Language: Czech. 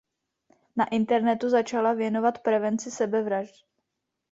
Na internetu začala věnovat prevenci sebevražd.